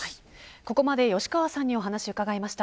ここまで吉川さんにお話を伺いました。